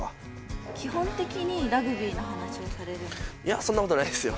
基本的にラグビーの話をされいや、そんなことないですよ。